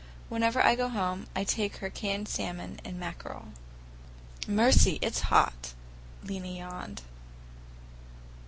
Whenever I go home I take her canned salmon and mackerel." "Mercy, it's hot!" Lena yawned.